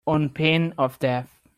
On pain of death